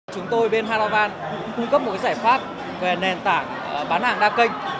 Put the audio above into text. chúng tôi bên halovan cũng cung cấp một giải pháp về nền tảng bán hàng đa kênh